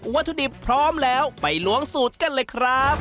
ถุดิบพร้อมแล้วไปล้วงสูตรกันเลยครับ